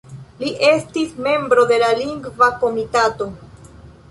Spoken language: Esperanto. Li estis membro de la Lingva Komitato.